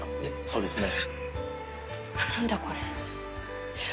そうですね。